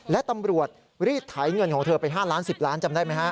และตำรวจรีดไถเงินของเธอไป๕ล้าน๑๐ล้านจำได้ไหมฮะ